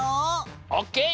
オッケー！